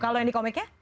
kalau yang di komiknya